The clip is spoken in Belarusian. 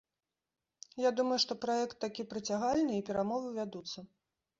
Я думаю, што праект такі прыцягальны і перамовы вядуцца.